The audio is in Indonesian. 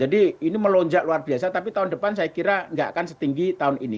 jadi ini melonjak luar biasa tapi tahun depan saya kira nggak akan setinggi tahun ini